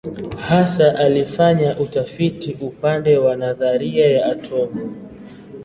Hasa alifanya utafiti upande wa nadharia ya atomu.